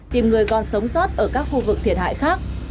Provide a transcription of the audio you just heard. tìm người còn sống sót ở các khu vực thiệt hại khác